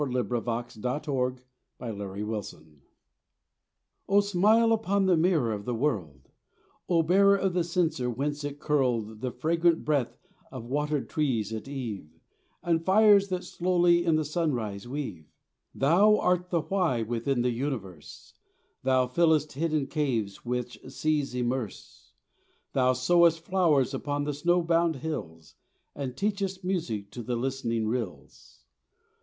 XLVII A HYMN TO THE HOLY SPIRIT O SMILE upon the mirror of the world, O Bearer of the censer whence is curled The fragrant breath of watered trees at eve, And fires that slowly in the sunrise weave. Thou art the Why within the universe, Thou fillest hidden caves which seas immerse, Thou sowest flowers upon the snow bound hills, And teachest music to the listening rills.